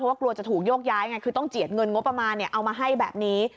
ว่ากลัวจะถูกโยกย้ายไงคือต้องเจียดเงินงบประมาณเอามาให้แบบนี้